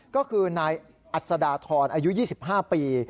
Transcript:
ก็คือนายอัศดาธรอายุ๒๕ปี